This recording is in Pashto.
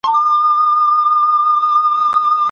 تاسو باید د تحقیق نوې لارې ولټوئ.